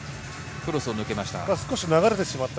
クロスを抜けました。